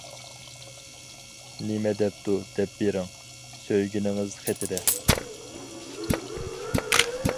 نېمە دەپتۇ دەپ بېرىڭ، سۆيگىنىڭىز خېتىدە.